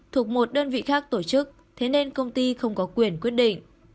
thuộc một đơn vị khác tổ chức thế nên công ty không có quyền quyết định